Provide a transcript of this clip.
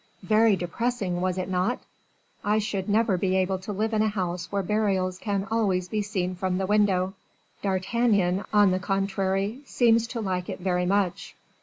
"Very depressing, was it not? I should never be able to live in a house where burials can always be seen from the window. D'Artagnan, on the contrary, seems to like it very much."